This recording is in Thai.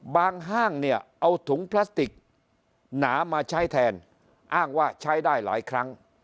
ห้างเนี่ยเอาถุงพลาสติกหนามาใช้แทนอ้างว่าใช้ได้หลายครั้ง